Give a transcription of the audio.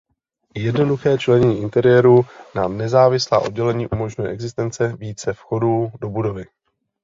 Jednoduché členění interiéru na nezávislá oddělení umožňuje existence více vchodů do budovy.